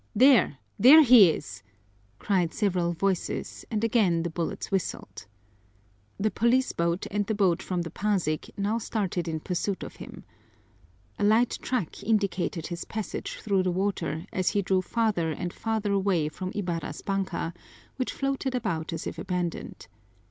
"There, there he is!" cried several voices, and again the bullets whistled. The police boat and the boat from the Pasig now started in pursuit of him. A light track indicated his passage through the water as he drew farther and farther away from Ibarra's banka, which floated about as if abandoned.